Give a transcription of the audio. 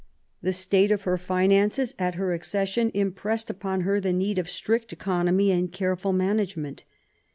The state of her finances at her accession impressed upon her the need of strict economy and careful management.